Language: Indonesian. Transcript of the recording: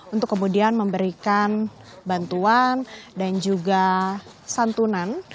untuk kemudian memberikan bantuan dan juga santunan